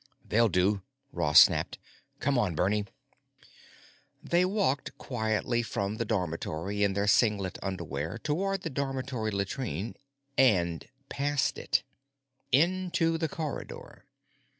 "They'll do," Ross snapped. "Come on, Bernie." They walked quietly from the dormitory in their singlet underwear toward the dormitory latrine—and past it. Into the corridor.